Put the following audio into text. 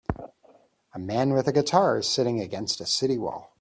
A man with a guitar is sitting against a city wall